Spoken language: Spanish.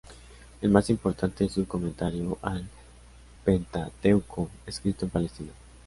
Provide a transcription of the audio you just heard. El más importante es su "Comentario al Pentateuco", escrito en Palestina.